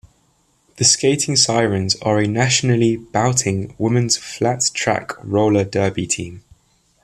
The Skating Sirens are a nationally "bouting" women's flat-track roller derby team.